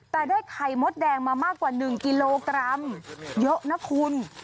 แต่ได้ไข่มดแดงมามากกว่า๑กิโลกรัมเยอะนะคุณ